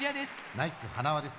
ナイツ塙です。